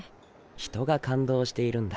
人が感動しているんだ